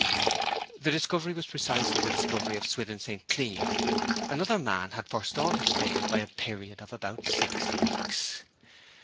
The discovery was precisely the discovery of Swithin St. Cleeve. Another man had forestalled his fame by a period of about six weeks.